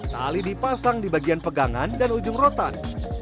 tali dipasang di bagian pegangan dan ujung rotan